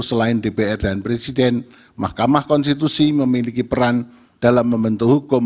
selain dpr dan presiden mahkamah konstitusi memiliki peran dalam membentuk hukum